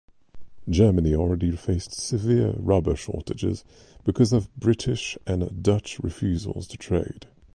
Germany already faced severe rubber shortages because of British and Dutch refusals to trade.